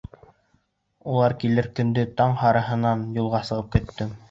Улар килер көндә таң һарыһынан юлға сығып көттөм.